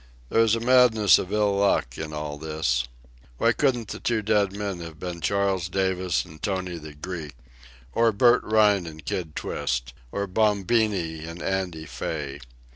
There is a madness of ill luck in all this. Why couldn't the two dead men have been Charles Davis and Tony the Greek? Or Bert Rhine and Kid Twist? or Bombini and Andy Fay?